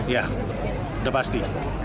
ya sudah pasti